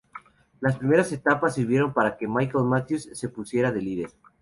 Las primeras etapas sirvieron para que Michael Matthews se pusiera de líder.